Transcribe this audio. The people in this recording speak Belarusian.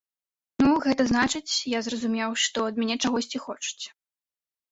Ну, гэта значыць, я зразумеў, што ад мяне чагосьці хочуць.